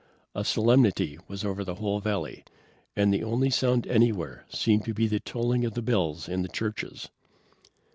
A solemnity was over the whole valley, and the only sound anywhere seemed to be the tolling of the bells in the churches.